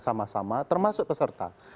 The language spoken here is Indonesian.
sama sama termasuk peserta